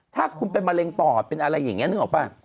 ถ้าคุณเป็นมะเร็งปอดเป็นอะไรอย่างนี้นึกออกป่ะ